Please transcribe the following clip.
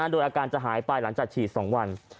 โดยอาการจะหายไปหลังจากฉีด๒วัน